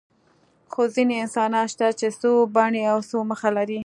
خو ځینې انسانان شته چې څو بڼې او څو مخه لري.